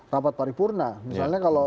rapat paripurna misalnya kalau